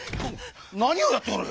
なにをやっておる！